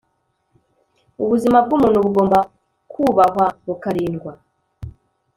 ubuzima bw'umuntu bugomba kubahwa bukarindwa